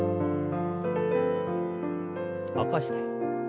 起こして。